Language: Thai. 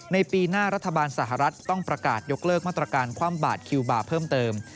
ปีหน้ารัฐบาลสหรัฐต้องประกาศยกเลิกมาตรการคว่ำบาดคิวบาร์เพิ่มเติม